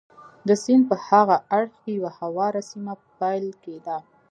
د سیند په هاغه اړخ کې یوه هواره سیمه پیل کېده.